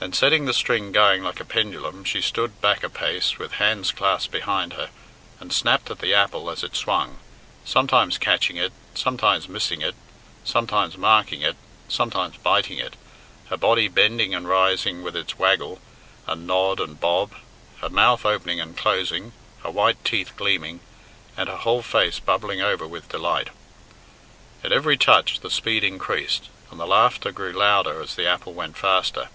Then setting the string going like a pendulum, she stood back a pace with hands clasped behind her, and snapped at the apple as it swung, sometimes catching it, sometimes missing it, sometimes marking it, sometimes biting it, her body bending and rising with its waggle, and nod, and bob, her mouth opening and closing, her white teeth gleaming, and her whole face bubbling over with delight. At every touch the speed increased, and the laughter grew louder as the apple went faster.